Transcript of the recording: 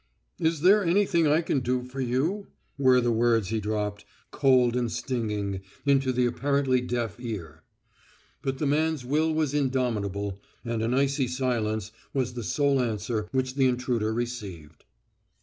"Is there anything I can do for you?" were the words he dropped, cold and stinging, into the apparently deaf ear. But the man's will was indomitable and an icy silence was the sole answer which the intruder received.